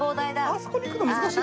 あそこに行くの難しい？